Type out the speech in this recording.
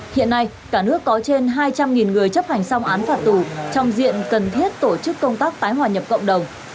hiện nay cả nước có trên hai trăm linh người chấp hành xong án phạt tù trong diện cần thiết tổ chức công tác tái hòa nhập cộng đồng